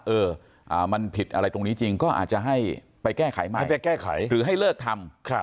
เออมันผิดอะไรตรงนี้จริงก็อาจจะให้ไปแก้ไขมาให้ไปแก้ไขหรือให้เลิกทำ